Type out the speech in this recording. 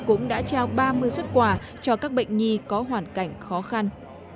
cũng đã trao ba mươi xuất quà cho các bệnh nhi có hoàn cảnh khó khăn